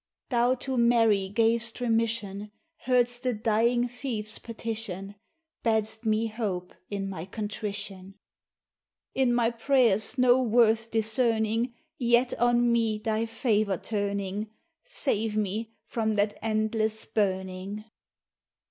Thou to Mary gav'st remission, Heard'st the dying thief's petition, Bad'st me hope in my contrition. In my prayers no worth discerning, Yet on me Thy favor turning, Save me from that endless burning!